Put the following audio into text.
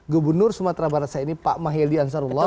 gubernur sumatera barat saya ini pak mahyildi ansarullah